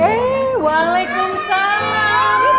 terima kasih pak